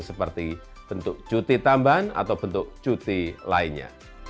seperti bentuk cuti tambahan atau bentuk cuti lainnya